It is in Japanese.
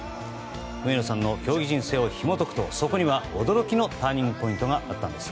上野さんの競技人生をひも解くとそこには驚きのターニングポイントがあったんです。